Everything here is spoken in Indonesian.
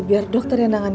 biar dokter yang nangani